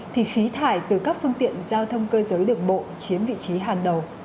thì khí thải từ các phương tiện giao thông cơ giới đường bộ chiếm vị trí hàng đầu